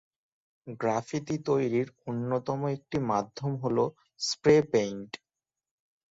Graffiti তৈরির অন্যতম একটি মাধ্যম হল স্প্রে পেইন্ট।